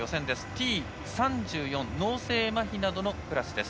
Ｔ３４、脳性まひなどのクラス。